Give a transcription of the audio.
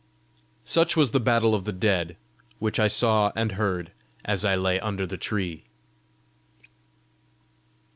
Such was the battle of the dead, which I saw and heard as I lay under the tree.